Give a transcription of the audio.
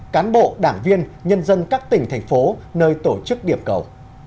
cán bộ đảng viên nhân dân các tỉnh thành phố nơi tổ chức điểm cầu